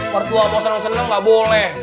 pertua mau seneng seneng gak boleh